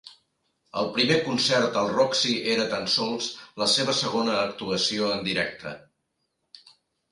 El primer concert al Roxy era tan sols la seva segona actuació en directe.